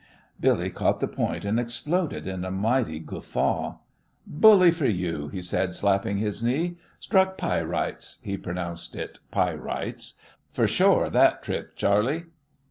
Billy caught the point and exploded in a mighty guffaw. "Bully fer you!" he cried, slapping his knee; "struck pyrites (he pronounced it pie rights) fer shore that trip, Charley."